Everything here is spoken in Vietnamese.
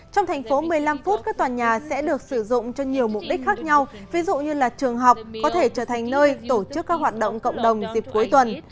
trong thành phố một mươi năm phút các tòa nhà sẽ được sử dụng cho nhiều mục đích khác nhau ví dụ như là trường học có thể trở thành nơi tổ chức các hoạt động cộng đồng dịp cuối tuần